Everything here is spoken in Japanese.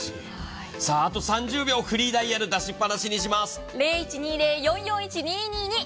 あと３０秒、フリーダイヤル、出しっぱなしにします。